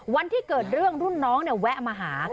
วันที่เกิดเรื่องรุ่นน้องเนี่ยแวะมาหา